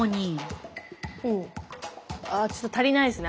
ああちょっと足りないですね